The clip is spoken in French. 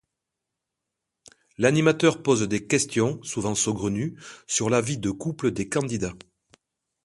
L'animateur pose des questions, souvent saugrenues, sur la vie de couple des candidats.